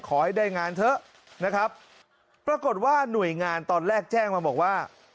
ขอให้ได้งานเถอะนะครับปรากฏว่าหน่วยงานตอนแรกแจ้งมาบอกว่า